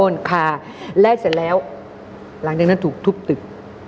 คาแลกเสร็จแล้วหลังจากนั้นถูกทุบตึก